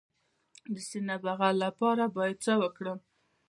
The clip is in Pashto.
د سینه بغل لپاره باید څه وکړم؟